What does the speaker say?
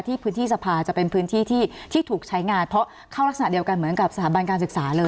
พื้นที่สภาจะเป็นพื้นที่ที่ถูกใช้งานเพราะเข้ารักษณะเดียวกันเหมือนกับสถาบันการศึกษาเลย